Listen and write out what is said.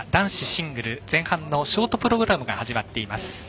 シングル前半のショートプログラムが始まっています。